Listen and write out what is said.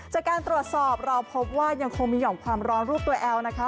จากการตรวจสอบเราพบว่ายังคงมีห่อมความร้อนรูปตัวแอลนะคะ